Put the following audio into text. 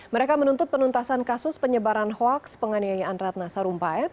mereka menuntut penuntasan kasus penyebaran hoaks penganiayaan ratna sarumpait